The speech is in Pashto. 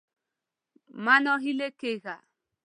مه ناهيلی کېږه.